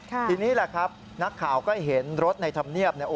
ทีนี้แหละครับนักข่าวก็เห็นรถในธรรมเนียบ